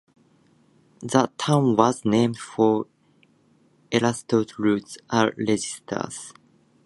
The town was named for Erastus Root, a legislator.